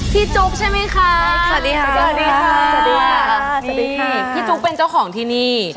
พี่จุ๊บใช่ไหมคะสวัสดีค่ะสวัสดีค่ะพี่จุ๊บเป็นเจ้าของที่นี่